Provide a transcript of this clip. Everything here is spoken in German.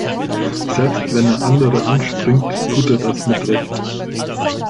Selbst wenn er andere anspringt, tut er das mit Recht.